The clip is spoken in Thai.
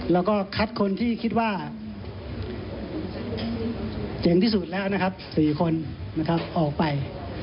แล้วก็คัดคนที่คิดว่าเจ๋งที่สุดแล้วนะครับ๔คนนะครับออกไป